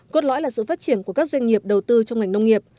cốt lõi là sự phát triển của các doanh nghiệp đầu tư trong ngành nông nghiệp